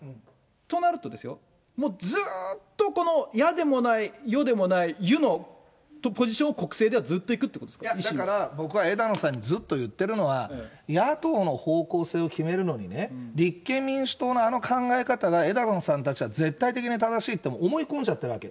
となるとですよ、もう、ずーっと野でもない、与でもない、ゆのポジションを、国政ではずっといくってことですだから、僕は枝野さんにずっと言ってるのは、野党の方向性を決めるのはね、立憲民主党のあの考え方が枝野さんたちは絶対的に正しいと思い込んじゃってるわけ。